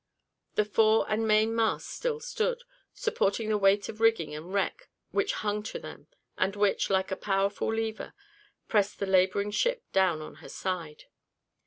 The fore and main masts still stood, supporting the weight of rigging and wreck which hung to them, and which, like a powerful lever, pressed the labouring ship down on her side.